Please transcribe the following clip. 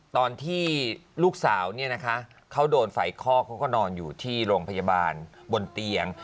ตอนที่ลูกสาวเนี่ยนะคะเขาโดนไฟคอกเขาก็นอนอยู่ที่โรงพยาบาลบนเตียง